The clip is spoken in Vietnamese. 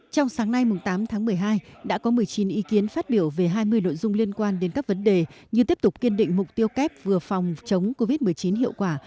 trong sáng nay tám tháng một mươi hai đã có một mươi chín ý kiến phát biểu về hai mươi nội dung liên quan đến các vấn đề như tiếp tục kiên định mục tiêu kép vừa phòng chống covid một mươi chín hiệu quả